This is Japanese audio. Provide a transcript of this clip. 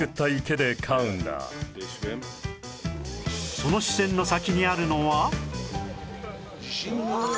その視線の先にあるのは